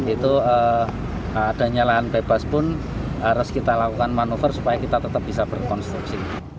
itu adanya lahan bebas pun harus kita lakukan manuver supaya kita tetap bisa berkonstruksi